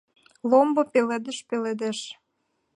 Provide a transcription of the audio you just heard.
Ломбо пеледыш пеледеш